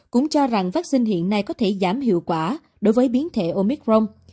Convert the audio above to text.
cũng cho rằng vắc xin hiện nay có thể giảm hiệu quả đối với biến thể omicron